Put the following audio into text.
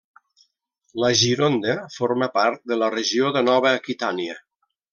La Gironda forma part de la regió de Nova Aquitània.